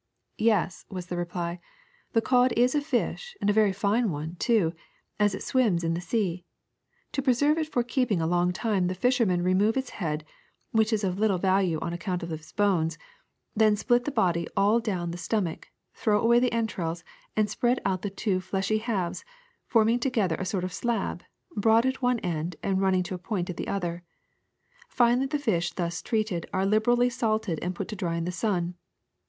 ^^ Yes, '' was the reply, '^ the cod is a fish, and a very fine one, too, as it swims in the sea. To preserve it for keeping a long time the fishermen remove its Cod head, which is of little value on account of its bones ; then they split the body all down the stomach, throw away the entrails, and spread out the two fleshy halves, forming together a sort of slab, broad at one end and running to a point at the other. Finally, the fish thus treated are liberally salted and put to dry in the sun.